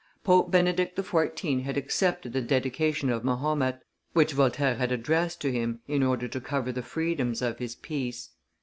Pope Benedict XIV. had accepted the dedication of Mahomet, which Voltaire had addressed to him in order to cover the freedoms of his piece.